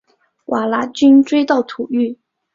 瓦剌军追到土域。